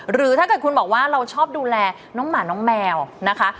หรือถ้าเกิดคุณบอกว่าเราชอบดูแลน้องหมาน้องแมวนะคะ